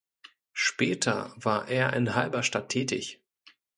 Später war er in Halberstadt tätig.